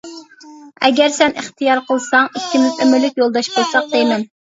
ئەگەر سەن ئىختىيار قىلساڭ، ئىككىمىز ئۆمۈرلۈك يولداش بولساق دەيمەن.